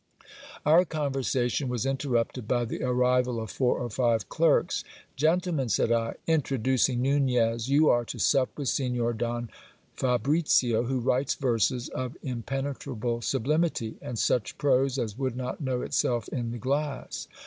Our conversation was interrupted by the arrival of four or five clerks. Gen tlemen, said I, introducing Nunez, you are to sup with Signor Don Fabricio, who writes verses of impenetrable sublimity, and such prose as would not know itself in the glass.